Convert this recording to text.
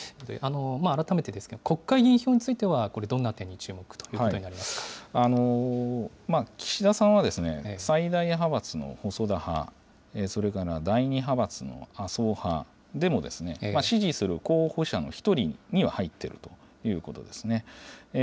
改めてですけど、国会議員票については、これ、どんな点に注目と岸田さんは、最大派閥の細田派、それから第２派閥の麻生派でも、支持する候補者の１人には入っているということですね。